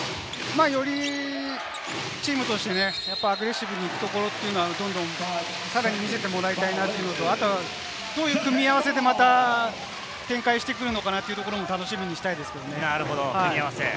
よりチームとしてアグレッシブに行くところというのは、さらに見せてもらいたいなというのと、どういう組み合わせで展開してくるのかなというところも楽しみにしたいですけどね。